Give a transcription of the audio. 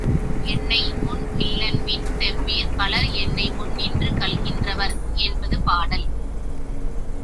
என்னைமுன் கில்லன்மின் தெவ்விர் பலர்என்னை முன்னின்று கல்கின்ற வர் என்பது பாடல்.